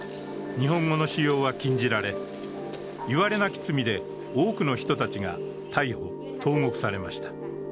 日本語の使用が禁じられ、言われなき罪で多くの人たちが逮捕・投獄されました。